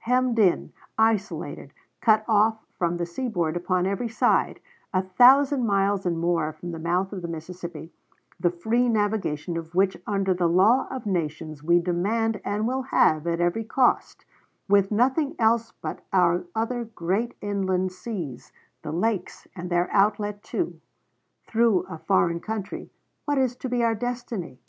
Hemmed in, isolated, cut off from the seaboard upon every side; a thousand miles and more from the mouth of the Mississippi, the free navigation of which under the law of nations we demand and will have at every cost; with nothing else but our other great inland seas, the lakes, and their outlet, too, through a foreign country what is to be our destiny?